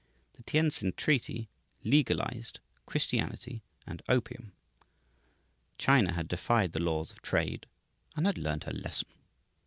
The Tientsin Treaty legalized Christianity and opium. China had defied the laws of trade, and had learned her lesson.